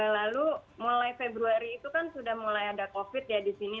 lalu mulai februari itu kan sudah mulai ada covid ya di sini